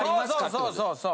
そうそうそう！